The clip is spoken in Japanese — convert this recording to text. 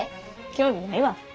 興味ないわ。